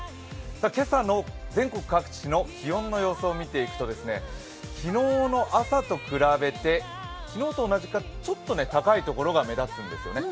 今朝の全国各地の気温の様子を見ていくと、昨日の朝と比べて昨日と同じがちょっと高いところが目立ちますね。